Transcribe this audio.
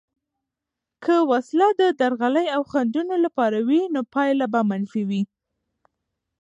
که وسله د درغلي او خنډونو لپاره وي، نو پایله به منفي وي.